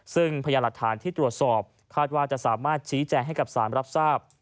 ซึ่งพยานหลักฐานที่ตรวจสอบคาดว่าจะสามารถชี้แจงให้กับสารรับทราบ